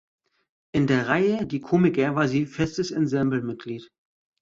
In der Reihe Die Komiker war sie festes Ensemblemitglied.